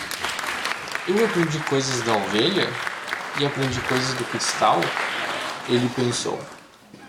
Eu aprendi coisas da ovelha? e aprendi coisas do cristal? ele pensou.